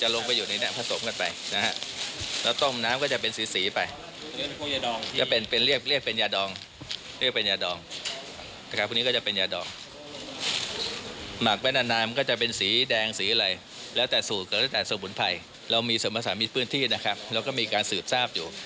เราก็มีการสืบทราบอยู่